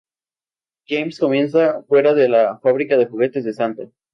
James comienza fuera de la fábrica de juguetes de Santa.